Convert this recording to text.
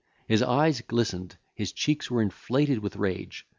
His eyes glistened, his cheeks were inflated with rage.